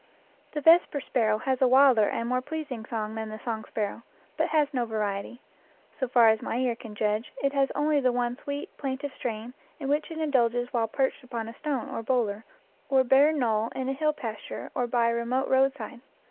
The vesper sparrow has a wilder and more pleas ing song than the song sparrow, but has no variety; so far as my ear can judge, it has only the one sweet, plaintive strain in which it indulges while perched upon a stone or boulder or bare knoll in a hill pas ture or by a remote roadside.